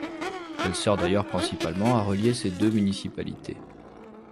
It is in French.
Elle sert d'ailleurs principalement à relier ces deux municipalités.